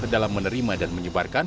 dalam menerima dan menyebarkan